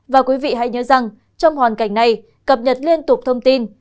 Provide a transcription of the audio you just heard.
và quý vị hãy nhớ rằng trong hoàn cảnh này cập nhật liên tục thông tin